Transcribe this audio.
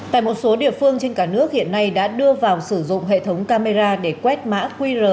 tại một số địa phương trên cả nước hiện nay đã đưa vào sử dụng hệ thống camera để quét mã qr